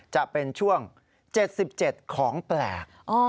จะเป็นช่วง๗๗ของแปลก